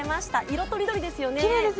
色とりどりですよね。